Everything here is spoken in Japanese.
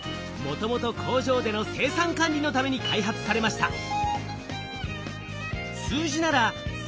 もともと工場での生産管理のために開発されました。